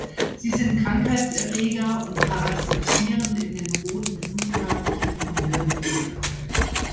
Sie sind Krankheitserreger und parasitieren in den roten Blutkörperchen von Wirbeltieren.